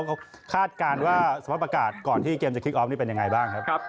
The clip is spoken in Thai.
แล้วคาดการณ์ว่าสมัครประกาศก่อนที่เกมจะคลิกออฟนี่เป็นอย่างไรบ้างครับ